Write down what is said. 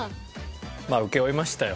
まあ請負いましたよ